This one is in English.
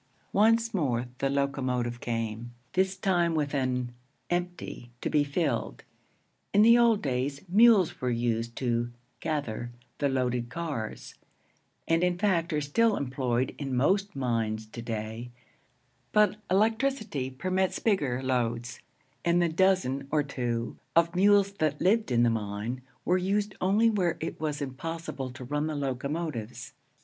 Once more the locomotive came, this time with an 'empty' to be filled. In the old days, mules were used to 'gather' the loaded cars, and, in fact, are still employed in most mines to day; but electricity permits bigger loads, and the dozen or two of mules that lived in the mine were used only where it was impossible to run the locomotives.